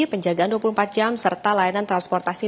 penjagaan dua puluh empat jam serta layanan transportasi